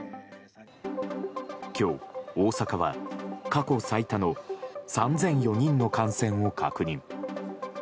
今日、大阪は過去最多の３００４人の感染を確認。